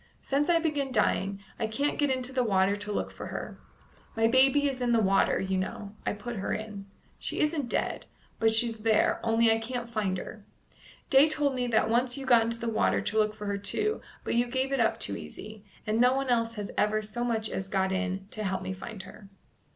Since I began dying, I can't get into the water to look for her. My baby is in the water, you know; I put her in. She isn't dead, but she's there, only I can't find her. Day told me that once you got into the water to look for her too, but you gave it up too easy, and no one else has ever so much as got in to help me find her."